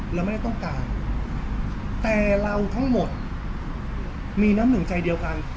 เราไม่ได้ต้องการแต่เราทั้งหมดมีน้ำหนึ่งใจเดียวกัน